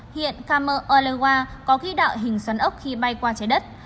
hiện camer walewa có khí đạo hình xoắn ốc khi bay qua trái đất